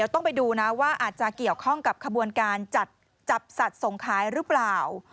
ต้องไปดูนะว่าอาจจะเกี่ยวข้องกับขบวนการจัดจับสัตว์ส่งขายหรือเปล่า